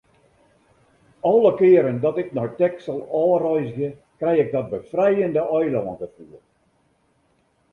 Alle kearen dat ik nei Texel ôfreizgje, krij ik dat befrijende eilângefoel.